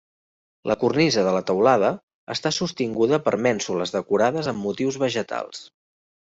La cornisa de la teulada està sostinguda per mènsules decorades amb motius vegetals.